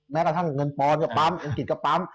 แม้กระทั่งเงินปอนก็ปั๊มอังกฤษก็ปั๊ม